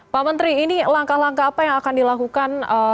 pak menteri ini langkah langkah apa yang akan dilakukan